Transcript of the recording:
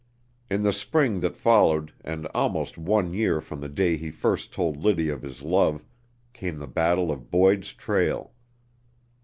In the spring that followed, and almost one year from the day he first told Liddy of his love, came the battle of Boyd's Trail.